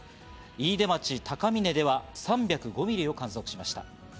飯豊町高峰では３０５ミリを観測しました。